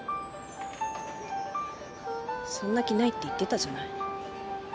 そんな気ないって言ってたじゃない。